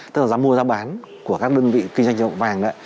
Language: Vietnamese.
tức là giá mua giá bán của các đơn vị kinh doanh vàng